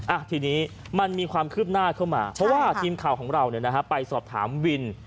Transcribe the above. อ่ะทีนี้มันมีความคืบหน้าเข้ามาเพราะว่าทีมข่าวของเราเนี่ยนะฮะไปสอบถามวิน